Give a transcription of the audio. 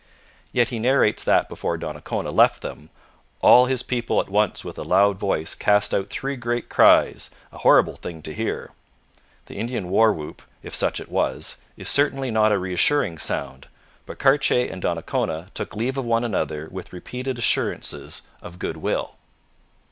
Yet he narrates that before Donnacona left them, 'all his people at once with a loud voice cast out three great cries, a horrible thing to hear.' The Indian war whoop, if such it was, is certainly not a reassuring sound, but Cartier and Donnacona took leave of one another with repeated assurances of good will.